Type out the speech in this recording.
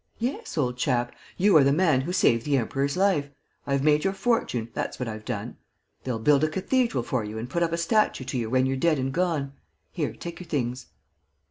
Yes, old chap. You are the man who saved the Emperor's life. I have made your fortune, that's what I've done. They'll build a cathedral for you and put up a statue to you when you're dead and gone. Here, take your things."